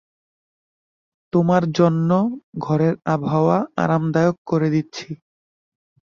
তোমার জন্য ঘরের আবহাওয়া আরামদায়ক করে দিচ্ছি।